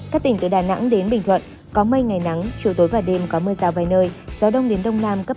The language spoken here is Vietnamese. các tỉnh từ đà nẵng đến bình thuận có mây ngày nắng chiều tối và đêm có mưa rào vài nơi gió đông đến đông nam cấp ba